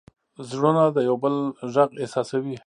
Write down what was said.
زړونه د یو بل غږ احساسوي.